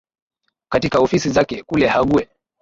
katika ofisi zake kule hague